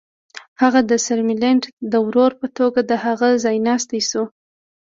هغه د سرمیلټن د ورور په توګه د هغه ځایناستی شو.